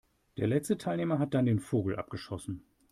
Der letzte Teilnehmer hat dann den Vogel abgeschossen.